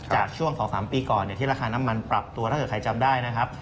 จากช่วง๒๓ปีก่อนที่ราคาน้ำมันปรับตัวถ้าเกิดใครจำได้นะครับ